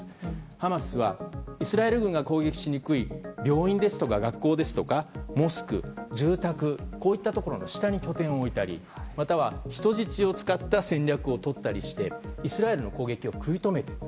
ハマスはイスラエル軍が攻撃しにくい病院ですとか学校ですとかモスク、住宅などの下に拠点を置いたりまたは人質を使った戦略をとったりしてイスラエルの攻撃を食い止めている。